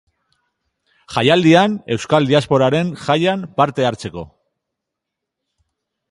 Jaialdian, euskal diasporaren jaian, parte hartzeko.